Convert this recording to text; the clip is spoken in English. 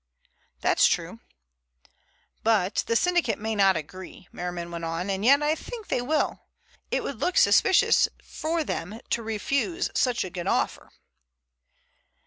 "That's true." "But the syndicate may not agree," Merriman went on. "And yet I think they will. It would look suspicious for them to refuse so good an offer."